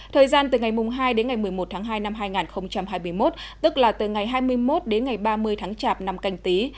thời gian từ ngày hai đến ngày một mươi một tháng hai năm hai nghìn hai mươi một tức là từ ngày hai mươi một đến ngày ba mươi tháng chạp năm canh tí